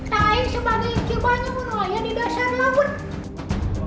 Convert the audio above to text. tak aki sebagai aki banyu aki di dasar laut